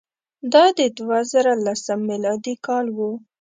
دا د دوه زره لسم میلادي کال وو.